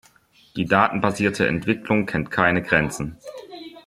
Die datenbasierte Entwicklung kennt keine Grenzen.